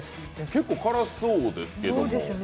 結構辛そうですけど。